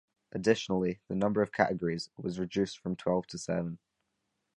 Additionally, the number of categories was reduced from twelve to seven.